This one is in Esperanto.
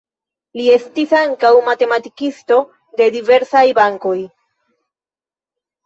Li estis ankaŭ matematikisto de diversaj bankoj.